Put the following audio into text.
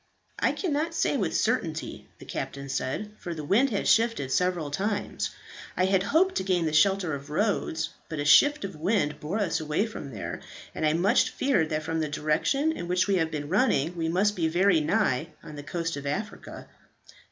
"I cannot say with certainty," the captain said, "for the wind has shifted several times. I had hoped to gain the shelter of Rhodes, but a shift of wind bore us away from there, and I much fear that from the direction in which we have been running we must be very nigh on the coast of Africa."